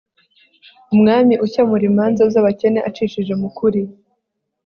umwami ukemura imanza z'abakene acishije mu kuri